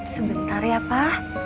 sebentar ya pa